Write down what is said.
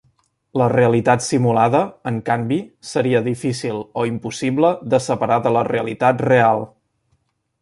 La realitat simulada, en canvi, seria difícil o impossible de separar de la realitat "real".